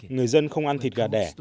người dân không ăn thịt gà đẻ